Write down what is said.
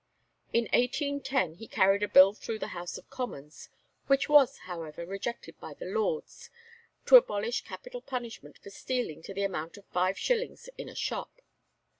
In 1810 he carried a bill through the House of Commons, which was, however, rejected by the Lords, to abolish capital punishment for stealing to the amount of five shillings in a shop.